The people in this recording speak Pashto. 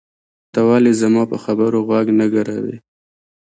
ته ولې زما په خبرو غوږ نه ګروې؟